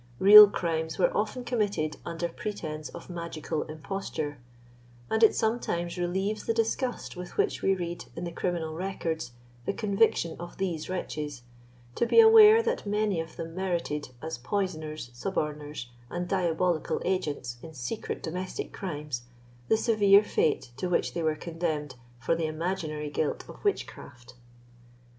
Real crimes were often committed under pretence of magical imposture; and it somewhat relieves the disgust with which we read, in the criminal records, the conviction of these wretches, to be aware that many of them merited, as poisoners, suborners, and diabolical agents in secret domestic crimes, the severe fate to which they were condemned for the imaginary guilt of witchcraft.